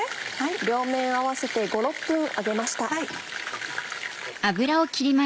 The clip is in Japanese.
両面合わせて５６分揚げました。